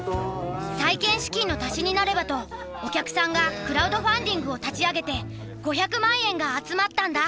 再建資金の足しになればとお客さんがクラウドファンディングを立ち上げて５００万円が集まったんだ。